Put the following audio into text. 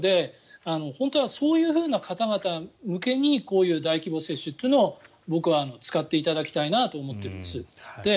本当はそういうふうな方々向けにこういう大規模接種を僕は使っていただきたいなと思っているんです。